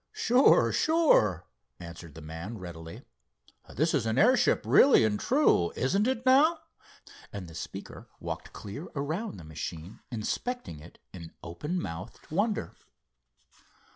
"Sure, sure," answered the man readily. "This is an airship, really and true; isn't it now?" and the speaker walked clear around the machine, inspecting it in open mouthed wonder.